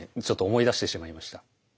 ちょっと思い出してしまいました。